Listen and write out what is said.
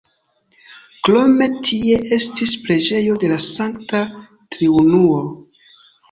Krome tie estis preĝejo de la Sankta Triunuo.